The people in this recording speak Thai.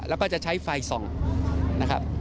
แล้วก็จะใช้ไฟส่องนะครับ